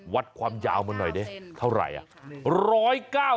วัดความยาวมาหน่อยดิเท่าไหร่อ่ะ